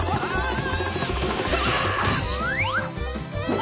ああ！